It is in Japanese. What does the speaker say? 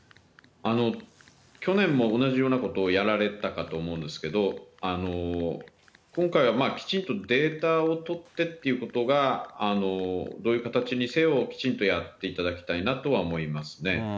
去年も同じようなことをやられたかと思うんですけど、今回はきちんとデータを取ってっていうことが、どういう形にせよ、きちんとやっていただきたいなと思いますね。